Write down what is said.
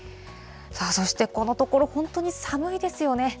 そしてこのところ、本当に寒いですよね。